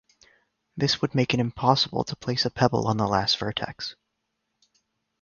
This would make it impossible to place a pebble on the last vertex.